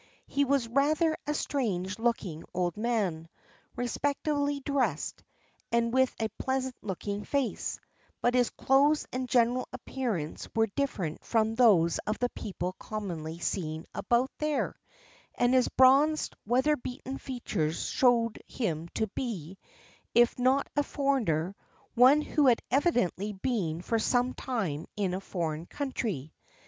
He was rather a strange looking old man, respectably dressed, and with a pleasant looking face; but his clothes and general appearance were different from those of the people commonly seen about there, and his bronzed, weather beaten features showed him to be, if not a foreigner, one who had evidently been for some time in a foreign country.